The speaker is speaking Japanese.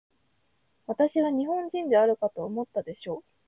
私は日本人であるかと思ったでしょう。